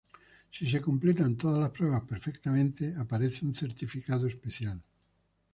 Si se completan todas las pruebas perfectamente aparece un certificado especial.